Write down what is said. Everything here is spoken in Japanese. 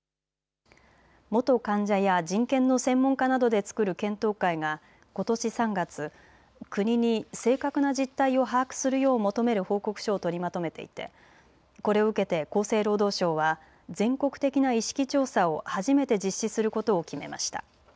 元患者や人権の専門家などで作る検討会がことし３月、国に正確な実態を把握するよう求める報告書を取りまとめていてこれを受けて厚生労働省は全国的な意識調査を初めて実施することを決めました。